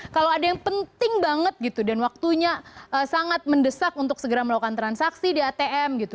kalau ada yang penting banget gitu dan waktunya sangat mendesak untuk segera melakukan transaksi di atm gitu